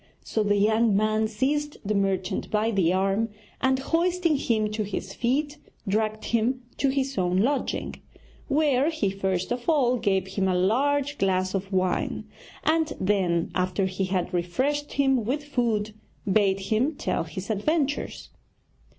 So the young man seized the merchant by the arm, and hoisting him to his feet, dragged him to his own lodging; where he first of all gave him a large glass of wine, and then, after he had refreshed him with food, bade him tell his adventures.